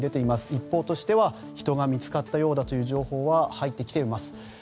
一報としては人が見つかったようだという情報は入ってきています。